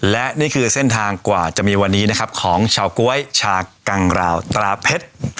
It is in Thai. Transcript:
และนี่คือเส้นทางกว่าจะมีวันนี้นะครับของชาวก๊วยชากังราวตราเพชร